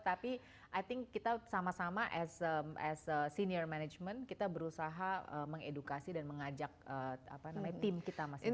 tapi i think kita sama sama as a senior management kita berusaha mengedukasi dan mengajak tim kita masing masing